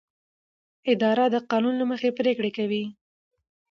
اداره د قانون له مخې پریکړې کوي.